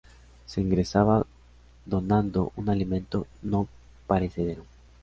Se ingresaba donando un alimento no perecedero.